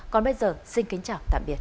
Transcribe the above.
còn bây giờ xin kính chào tạm biệt